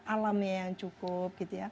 alamnya yang cukup